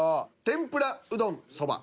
天ぷらうどん・そば